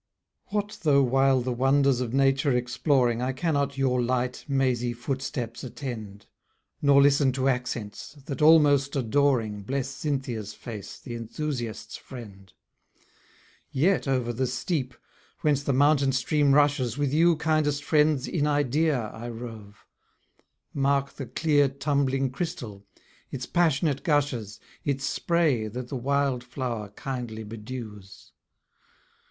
What though while the wonders of nature exploring, I cannot your light, mazy footsteps attend; Nor listen to accents, that almost adoring, Bless Cynthia's face, the enthusiast's friend: Yet over the steep, whence the mountain stream rushes, With you, kindest friends, in idea I rove; Mark the clear tumbling crystal, its passionate gushes, Its spray that the wild flower kindly bedews.